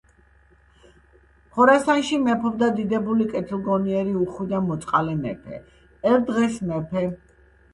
ხორასანში მეფობდა დიდებული, კეთილგონიერი, უხვი და მოწყალე მეფე. ერთ დღეს მეფემ